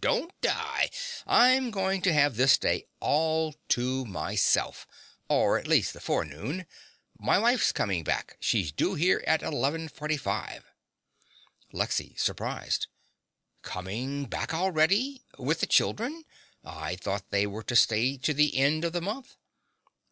Don't I? I'm going to have this day all to myself or at least the forenoon. My wife's coming back: she's due here at 11.45. LEXY (surprised). Coming back already with the children? I thought they were to stay to the end of the month.